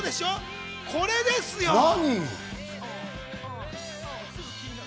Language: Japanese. これですよ。